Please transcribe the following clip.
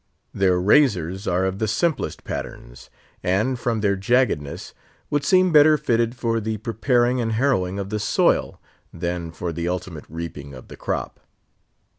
Their razors are of the simplest patterns, and, from their jagged ness, would seem better fitted for the preparing and harrowing of the soil than for the ultimate reaping of the crop.